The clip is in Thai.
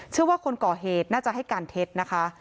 ว่าคนก่อเหตุน่าจะให้การเท็จนะคะ